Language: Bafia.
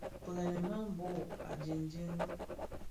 Firemi, bëbhog a jinjin.